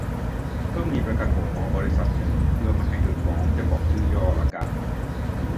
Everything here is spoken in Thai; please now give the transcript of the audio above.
เพิ่งมีประกันหัวหมอบริษัทนึง เพื่อไม่ให้โดนฟ้องจะบอกชื่อย่อละกัน